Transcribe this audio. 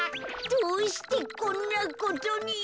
どうしてこんなことに。